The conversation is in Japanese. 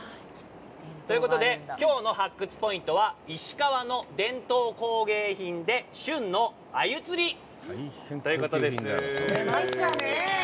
ということで、きょうの発掘ポイントは、石川の伝統工芸品で旬の鮎釣りということです！